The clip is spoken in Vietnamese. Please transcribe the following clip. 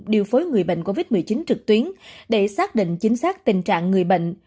điều phối người bệnh covid một mươi chín trực tuyến để xác định chính xác tình trạng người bệnh